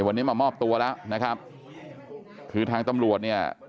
วันนี้มามอบตัวแล้วนะครับคือทางตำรวจเนี่ย